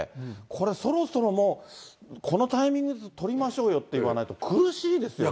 これ、そろそろもう、このタイミングで取りましょうよって言わないと、苦しいですよね。